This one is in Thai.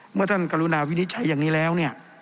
เมื่อท่านกรุณาวิทย์ใช้อย่างนี้แล้ว